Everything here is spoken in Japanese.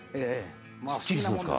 「すっきりするんですか？